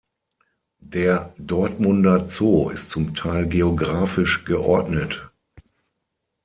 Der Dortmunder Zoo ist zum Teil geographisch geordnet.